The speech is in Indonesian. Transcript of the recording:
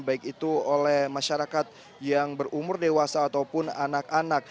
baik itu oleh masyarakat yang berumur dewasa ataupun anak anak